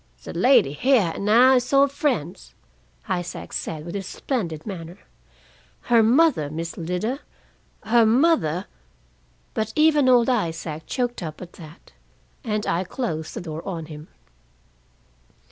"The lady heah and I is old friends," Isaac said, with his splendid manner. "Her mothah, Miss Lida, her mothah " But even old Isaac choked up at that, and I closed the door on him.